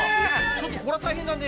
ちょっとこれは大変だね。